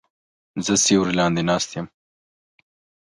زه سیوری لاندې ناست یم